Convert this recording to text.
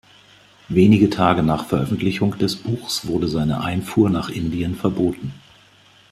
Wenige Tage nach Veröffentlichung des Buchs wurde seine Einfuhr nach Indien verboten.